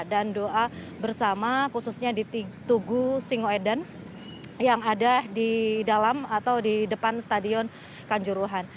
dan doa bersama khususnya di tugu singoedan yang ada di dalam atau di depan stadion kanjuruhan